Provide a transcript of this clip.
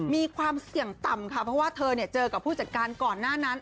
มีความเสี่ยงต่ำค่ะเพราะว่าเธอเจอกับผู้จัดการก่อนหน้านั้น